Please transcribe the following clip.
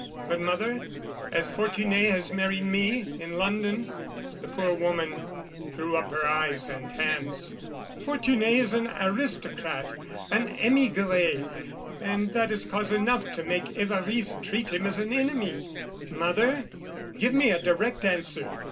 "But, mother, as Fortuné has married me ... in London...." The poor mother threw up her eyes and hands: "Fortuné is an aristocrat, an émigré, and that is cause enough to make Évariste treat him as an enemy." "Mother, give me a direct answer.